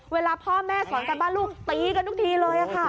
เวลาพ่อแม่สอนการบ้านลูกตีกันทุกทีเลยค่ะ